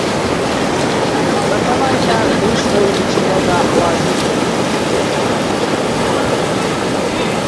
بەتاماینە دووسبەی بچینە داخوازی کیژی حاجی عەوڵای لۆ کوڕەکەم.